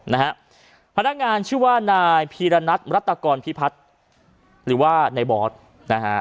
นะฮะพนักงานชื่อว่านายพีรณัทรัตกรพิพัฒน์หรือว่าในบอสนะฮะ